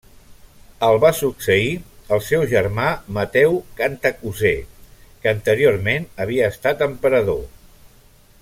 El va succeir el seu germà Mateu Cantacuzè, que anteriorment havia estat emperador.